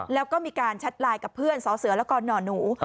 แล้วก็มีการแชทไลน์กับเพื่อนสอเสือแล้วก็หน่อหนู